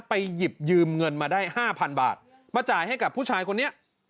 หยิบยืมเงินมาได้๕๐๐๐บาทมาจ่ายให้กับผู้ชายคนนี้